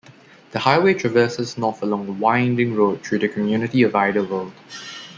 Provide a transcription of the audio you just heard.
The highway traverses north along a winding road through the community of Idyllwild.